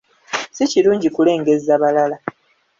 Si kirungi kulengezza balala.